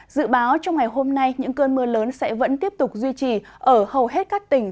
dự báo trong ngày hôm nay những cơn mưa lớn sẽ vẫn tiếp tục duy trì ở hầu hết các tỉnh